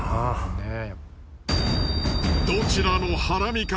ねえ。